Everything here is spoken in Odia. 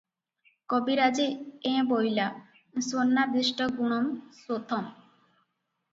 " କବିରାଜେ, "ଏଁ ବୋଇଲା, ସ୍ୱର୍ଣ୍ଣାଦିଷ୍ଟଗୁଣଂ ଶୋଥଂ ।